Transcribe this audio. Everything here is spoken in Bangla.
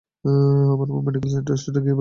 আমার বোন মেডিকেল স্টোরে গিয়ে বেরিয়ে আসে।